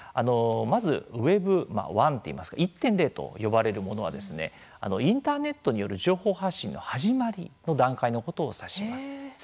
まず、Ｗｅｂ１といいますか１．０と呼ばれているものはインターネットによる情報発信の始まりの段階のことを指します。